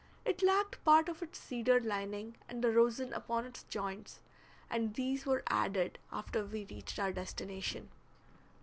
It lacked part of its cedar lining and the rosin upon its joints, and these were added after we reached our destination.